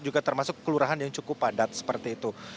juga termasuk kelurahan yang cukup padat seperti itu